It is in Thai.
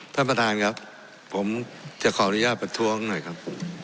ท่านประธานครับผมจะขออนุญาตประท้วงหน่อยครับ